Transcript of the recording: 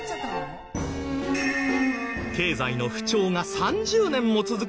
経済の不調が３０年も続く